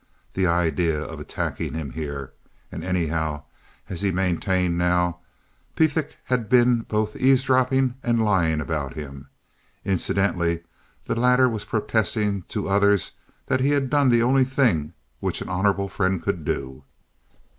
The idea of attacking him here. And, anyhow, as he maintained now, Pethick had been both eavesdropping and lying about him. Incidentally, the latter was protesting to others that he had done the only thing which an honorable friend could do.